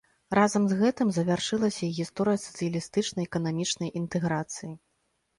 Разам з гэтым завяршылася і гісторыя сацыялістычнай эканамічнай інтэграцыі.